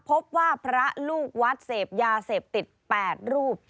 พบว่าพระลูกวัดเสพยาเสพติด๘รูป